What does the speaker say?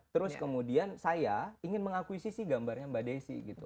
terus kemudian saya ingin mengakuisisi gambarnya mbak desi gitu